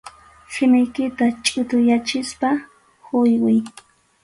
Simiykita chʼutuyachispa huywiy.